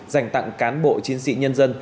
dành tặng cán bộ chiến sĩ nhân dân